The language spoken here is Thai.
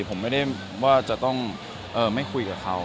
แต่จะต้องไม่คุยกับเขา